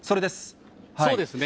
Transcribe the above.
そうですね。